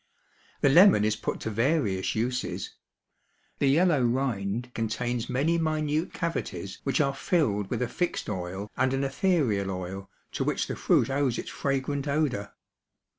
The lemon is put to various uses. The yellow rind contains many minute cavities which are filled with a fixed oil and an ethereal oil to which the fruit owes its fragrant odor.